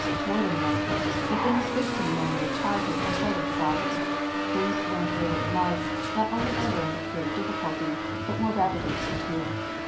More than this. The things fixed in the memory of childhood are seldom forgotten. Things learned later in life, not only are learned with greater difficulty, but more rapidly disappear.